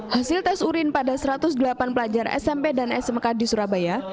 hasil tes urin pada satu ratus delapan pelajar smp dan smk di surabaya